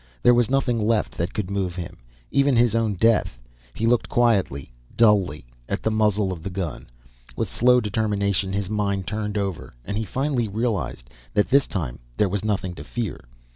There was nothing left that could move him, even his own death. He looked quietly dully at the muzzle of the gun. With slow determination his mind turned over and he finally realized that this time there was nothing to fear.